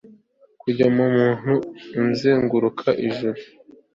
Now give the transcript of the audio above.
kujya mu mutwe uzenguruka ijuru